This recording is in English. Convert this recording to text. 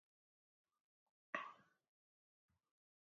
It's xenophobic, amateurish and extraordinarily dull.